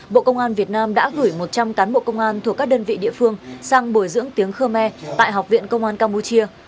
bộ công an việt nam đã gửi một trăm linh cán bộ công an thuộc các đơn vị địa phương sang bồi dưỡng tiếng khmer tại học viện công an campuchia